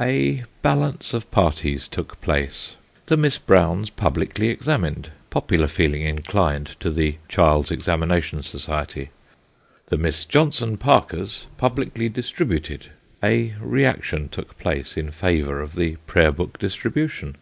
A balance of parties took place. The Miss Browns publicly examined popular feeling inclined to the child's examination society. The Miss Johnson Parkers publicly distributed a reaction took place in favour of the prayer book distribution.